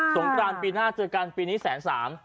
งกรานปีหน้าเจอกันปีนี้แสนสาม